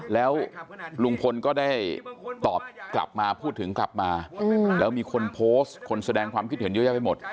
แล้วลุงพลก็ได้ตอบกลับมาพูดถึงกลับมาแล้วมีคนโพสต์คนแสดงความคิดเห็นเยอะแยะไปหมด